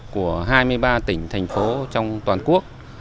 của hai mươi ba tỉnh thành phố trong toàn quốc